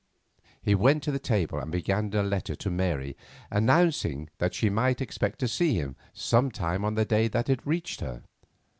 He went to the table and began a letter to Mary announcing that she might expect to see him sometime on the day that it reached her.